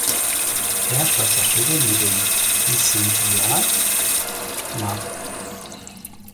Er schloss das Studium mit dem Lizentiat mag.